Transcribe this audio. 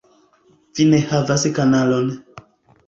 - Vi ne havas kanalon